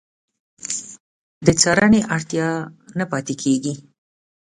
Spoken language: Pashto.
د څارنې اړتیا نه پاتې کېږي.